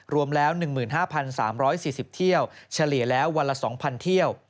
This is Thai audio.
รวมแล้ว๑๕๓๔๐เที่ยวเฉลี่ยแล้ววันละ๒๐๐เที่ยว